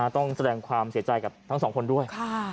ต้องแสดงความเสียใจกับทั้งสองคนด้วย